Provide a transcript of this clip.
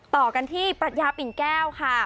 ต่อกันที่ปรัชญาปิ่นแก้วค่ะ